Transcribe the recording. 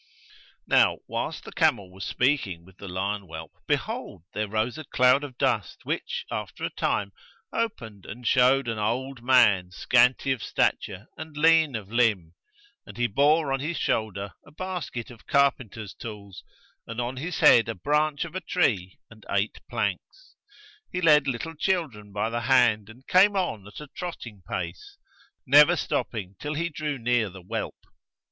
Now whilst the camel was speaking with the lion whelp, behold, there rose a cloud of dust which, after a time, opened and showed an old man scanty of stature and lean of limb; and he bore on his shoulder a basket of carpenter's tools and on his head a branch of a tree and eight planks. He led little children by the hand and came on at a trotting pace,[FN#140] never stopping till he drew near the whelp.